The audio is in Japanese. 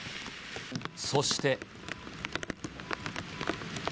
そして。